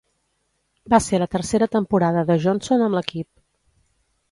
Va ser la tercera temporada de Johnson amb l'equip.